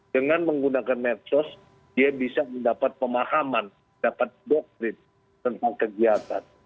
dengan menggunakan medsos dia bisa mendapat pemahaman dapat doktrin tentang kegiatan